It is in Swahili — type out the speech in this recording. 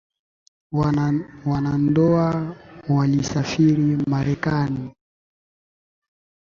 Wanandoa walisafiri marekani